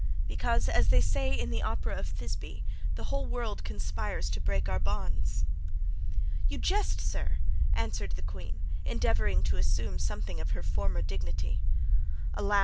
"Because, as they say in the opera of 'Thisbe,' 'The whole world conspires to break our bonds.'" "You jest, sir!" answered the queen, endeavoring to assume something of her former dignity. "Alas!